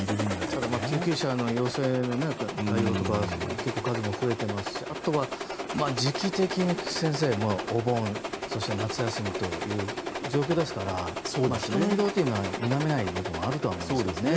ただ救急車の要請の対応とか結構数も増えていますしあとは時期的に先生、お盆そして夏休みという状況ですから人の移動というのは否めない部分もあると思うんですが。